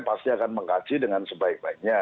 pasti akan mengkaji dengan sebaik baiknya